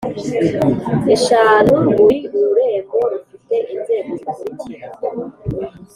eshanu Buri rurembo rufite inzego zikurikira